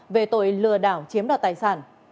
về tội lừa đảo chiếm đoạt tài sản